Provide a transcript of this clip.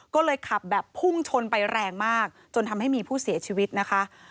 ก็เลยขับแบบพุ่งชนไปแรงมากจนทำให้มีผู้เสียชีวิตนะคะ